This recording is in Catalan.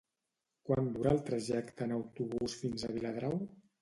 Quant dura el trajecte en autobús fins a Viladrau?